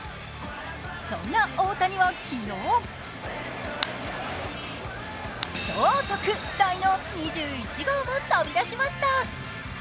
そんな大谷は昨日超特大の２１号も飛び出しました。